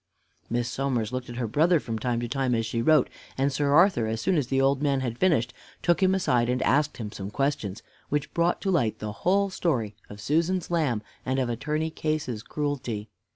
Miss Somers looked at her brother from time to time, as she wrote, and Sir Arthur, as soon as the old man had finished, took him aside and asked him some questions, which brought to light the whole story of Susan's lamb and of Attorney Case's cruelty.